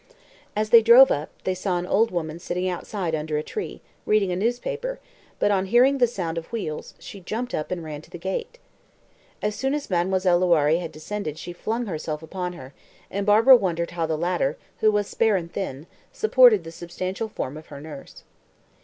As they drove up, they saw an old woman sitting outside under a tree, reading a newspaper; but, on hearing the sound of wheels, she jumped up and ran to the gate. As soon as Mademoiselle Loiré had descended she flung herself upon her; and Barbara wondered how the latter, who was spare and thin, supported the substantial form of her nurse.